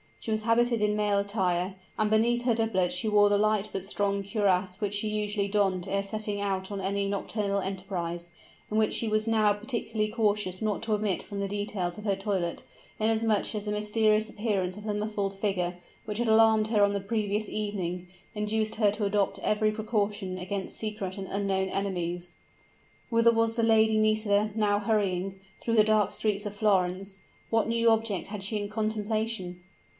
She was habited in male attire; and beneath her doublet she wore the light but strong cuirass which she usually donned ere setting out on any nocturnal enterprise, and which she was now particularly cautious not to omit from the details of her toilet, inasmuch as the mysterious appearance of the muffled figure, which had alarmed her on the previous evening, induced her to adopt every precaution against secret and unknown enemies. Whither was the Lady Nisida now hurrying, through the dark streets of Florence? what new object had she in contemplation?